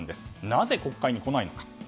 なぜ国会に来ないのか。